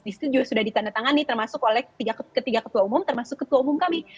di situ juga sudah ditandatangani termasuk oleh ketiga ketua umum termasuk ketua umum kami